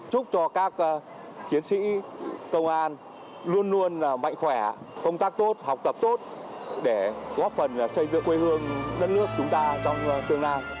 chúc cho các chiến sĩ công an luôn luôn mạnh khỏe công tác tốt học tập tốt để góp phần xây dựng quê hương đất nước chúng ta trong tương lai